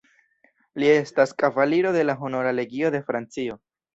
Li estas kavaliro de la Honora Legio de Francio.